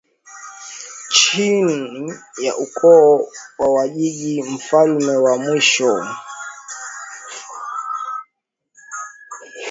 Chini na ukoo wa wajiji mfalme wa mwisho aliitwa mwami rusimbi